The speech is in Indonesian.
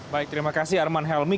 baik terima kasih arman helmi